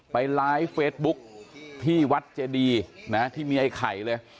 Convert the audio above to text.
ไปไลฟ์เฟซบุ๊คที่วัดเจดีนะที่มีไอ้ไข่เลย